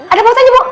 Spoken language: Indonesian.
ada apa mau tanya bu